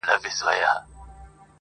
ما چي څه لیکلي د زمان بادونو وړي دي -